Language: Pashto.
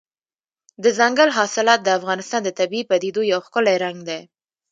دځنګل حاصلات د افغانستان د طبیعي پدیدو یو ښکلی رنګ دی.